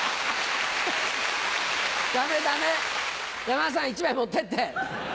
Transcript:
ダメダメ山田さん１枚持ってって。